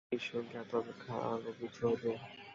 ঈশ্বর জ্ঞাত অপেক্ষা আরও কিছু অধিক।